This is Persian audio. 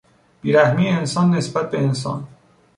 بیرحمی انسان نسبت به انسان